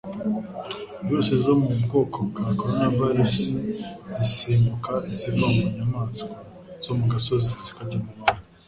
Virusi zo mu bwoko bwa coronavirus zisimbuka ziva mu nyamaswa zo mu gasozi zikajya mu bantu.